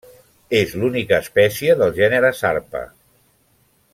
És l'única espècie del gènere Sarpa.